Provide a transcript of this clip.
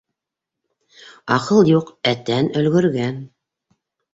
Аҡыл юҡ, ә тән өлгөргән.